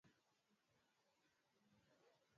kuishi maisha ya kiafya zaidi